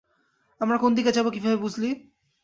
আমরা কোনদিকে যাবো কিভাবে বুঝলি?